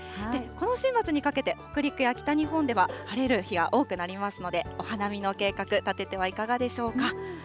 今週末にかけて、北陸や北日本では晴れる日が多くなりますので、お花見の計画、立ててはいかがでしょうか。